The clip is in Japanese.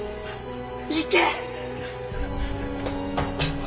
行け！